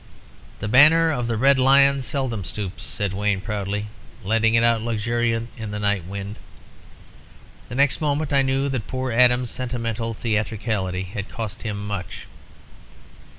"'The banner of the Red Lion seldom stoops,' said Wayne, proudly, letting it out luxuriantly on the night wind. "The next moment I knew that poor Adam's sentimental theatricality had cost him much.